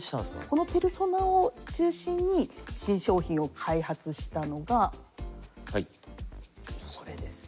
このペルソナを中心に新商品を開発したのがこれです。